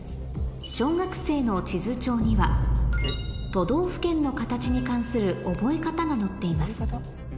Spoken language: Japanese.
小学生の地図帳には都道府県の形に関する覚え方が載っています